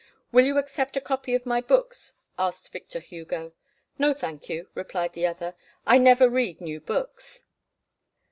"Will you accept a copy of my books?" asked Victor Hugo. "No thank you," replied the other; "I never read new books."